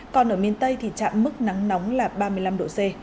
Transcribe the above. còn ở miền tây thì trạm mức nắng nóng là ba mươi năm độ c